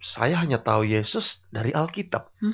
saya hanya tahu yesus dari alkitab